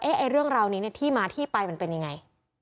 เรื่องราวนี้ที่มาที่ไปมันเป็นยังไง